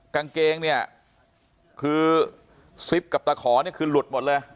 กางเกงเนี่ยคือซิปกับตะขอนี่คือหลุดหมดเลย